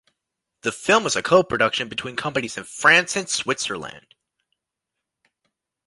The film was a co-production between companies in France and Switzerland.